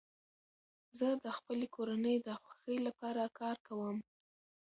زه د خپلي کورنۍ د خوښۍ له پاره کار کوم.